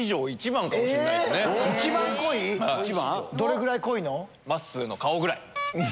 どれぐらい濃いの？